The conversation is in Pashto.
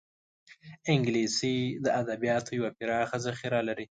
انګلیسي د ادبیاتو یوه پراخه ذخیره لري